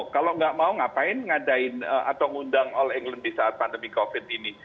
kalau nggak mau ngapain ngadain atau ngundang all england di saat pandemi covid ini